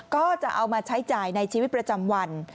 ก็จะเอามาใช้จ่ายในชีวิตประจำวัน